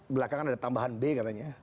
belakangan ada tambahan b katanya